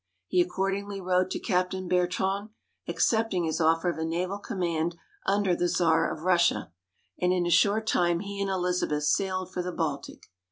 He accordingly wrote to Captain Bertrand, accepting his offer of a naval command under the Czar of Russia; and in a short time he and Elizabeth sailed for the Baltic.